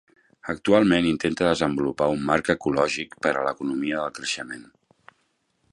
Actualment intenta desenvolupar un marc ecològic per a l'economia del creixement.